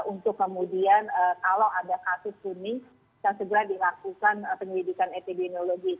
untuk kemudian kalau ada kasus kuning bisa segera dilakukan penyelidikan epidemiologi